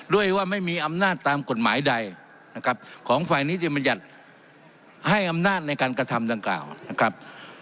ด้วยว่าไม่มีอำนาจตามกฎหมายใดนะครับของฝ่ายนิติบัญญัติให้อำนาจในการกระทำดังกล่าวนะครับ